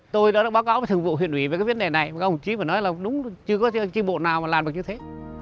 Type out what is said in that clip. thường vụ huyện ủy về cái vấn đề này các ông chí phải nói là đúng chưa có chi bộ nào mà làm được như thế